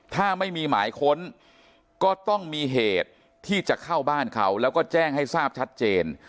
ถ้าไม่มีหมายค้นก็ต้องมีเหตุที่จะเข้าบ้านเขาแล้วก็แจ้งให้ทราบชัดเจน